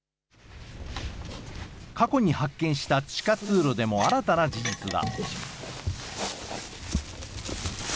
過去に発見した地下通路でも新たな事実が。